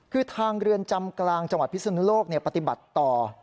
คือทางเรือนจำกลางจังหวัดพิศนุโลกปฏิบัติต่อ